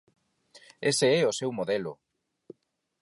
Ese é o seu modelo.